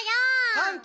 パンタ！